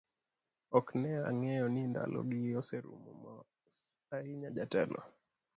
Ok ne ang'eyo ni ndalo gi oserumo, mos ahinya jatelo: